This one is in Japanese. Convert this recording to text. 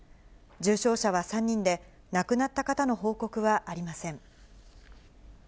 重症者は３人で、亡くなった方の報告はありません。